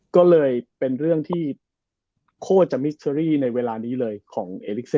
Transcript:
ก็เลยเป็นเรื่องที่โคตรจะมิสเชอรี่ในเวลานี้เลยของเอลิกเซ